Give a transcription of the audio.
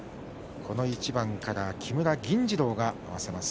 この一番から木村銀治郎が合わせます。